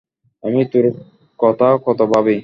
আমি তোর কথা কত ভাবি।